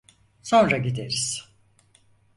Sonra gideriz!